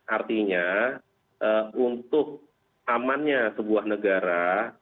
artinya untuk amannya sebuah negara